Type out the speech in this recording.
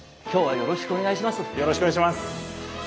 よろしくお願いします。